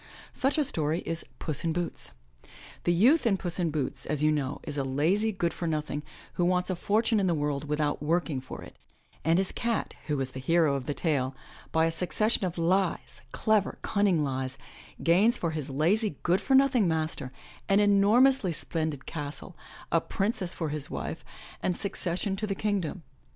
Such a story is *Tuss in Boots." The youth in *Tuss in Boots,*' as you know, is a lazy good for nothing who wants a fortune in the world without working for it; and his cat, who is the hero of the tale, by a succession of lies, clever, cunning lies, gains for his lazy, good for nothing master an enormously splendid castle, a princess for his wife and succession to the Kingdom.